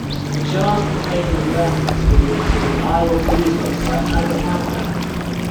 The jars contained letters leading to the I Love Bees website and a countdown.